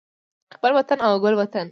خپل وطن او ګل وطن